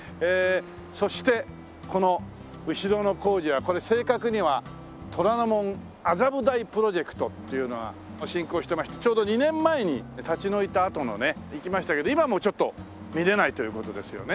そしてこの後ろの工事はこれ正確には「虎ノ門・麻布台プロジェクト」っていうのが進行してましてちょうど２年前に立ち退いたあとのね行きましたけど今はもうちょっと見れないという事ですよね。